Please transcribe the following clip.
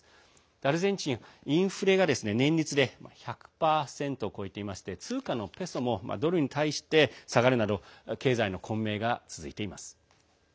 アルゼンチンはインフレ率が年率で１００％を超えていまして通貨のペソもドルに対して下がるなど経済の混迷が続いています。